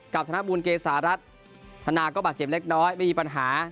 ธนบูลเกษารัฐธนาก็บาดเจ็บเล็กน้อยไม่มีปัญหา